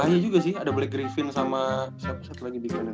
bahaya juga sih ada black griffin sama siapa siapa lagi dg